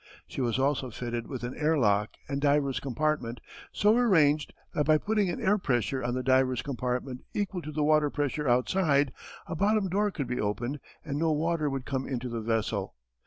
She was also fitted with an air lock and diver's compartment, so arranged that by putting an air pressure on the diver's compartment equal to the water pressure outside, a bottom door could be opened and no water would come into the vessel.